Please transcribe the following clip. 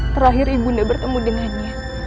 terakhir ibunda bertemu dengannya